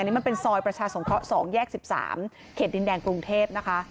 นี่มันเป็นซอยประชาสงเคราะห์๒แยก๑๓เขตดินแดงกรุงเทพนะคะ